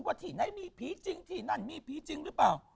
ที่ไหนมีผีจริงที่นั่นมีผีจริงหรือเปล่า